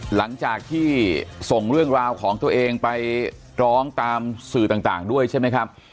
หลังจากที่ส่งเรื่องราวของตัวเองไปร้องตามสื่อต่างด้วยใช่ไหมครับ